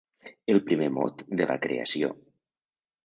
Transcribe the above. El primer mot de la creació.